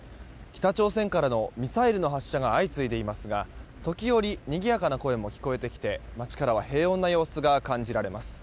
北朝鮮からのミサイルの発射が相次いでいますが時折にぎやかな声も聞こえてきて街からは平穏な様子が感じられます。